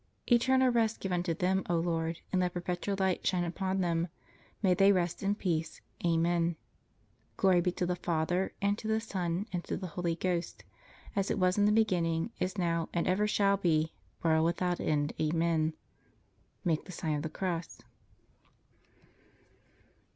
Eternal rest give unto them, O Lord. And let perpetual light shine upon them. May they rest in peace. Amen. Glory be to the Father, and to the Son, and to the Holy Ghost. As it was in the beginning, is now, and ever shall be, world without end. Amen. Make the Sign of the Cross.